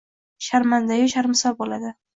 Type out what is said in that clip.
sharmandayu sharmisor bo’ladi.